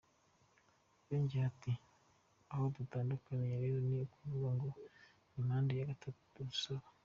Yongeyeho ati "Aho dutandukaniye rero ni ukuvuga ngo ni manda ya gatatu dusaba.